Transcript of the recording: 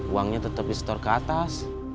uangnya tetep di setor ke atas